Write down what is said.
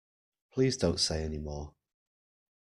Please don't say any more.